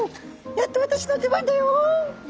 やっと私の出番だよ！」。